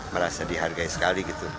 merasa dihargai sekali gitu